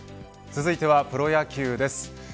続いてはプロ野球です。